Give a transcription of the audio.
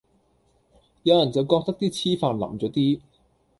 有人就覺得啲黐飯淋咗啲